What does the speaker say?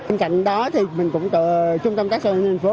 bên cạnh đó thì trung tâm công tác xã hội thanh niên phố